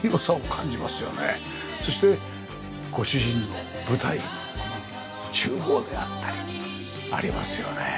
そしてご主人の舞台この厨房であったりありますよねえ。